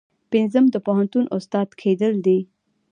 پنځم د پوهنتون استاد کیدل دي.